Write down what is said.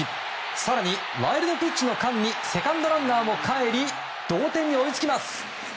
更に、ワイルドピッチの間にセカンドランナーもかえり同点に追いつきます。